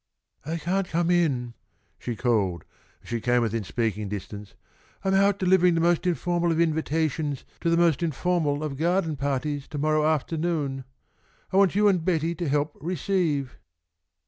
"I can't come in," she called, as she came within speaking distance. "I'm out delivering the most informal of invitations to the most informal of garden parties to morrow afternoon. I want you and Betty to help receive."